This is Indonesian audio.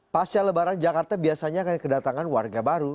pasca lebaran jakarta biasanya akan kedatangan warga baru